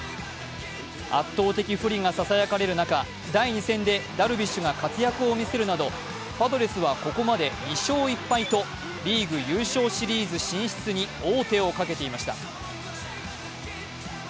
圧倒的不利がささやかれる中、第２戦でダルビッシュが活躍を見せるなどパドレスはここまで２勝１敗とリーグ優勝シリーズ進出に王手をかけていました。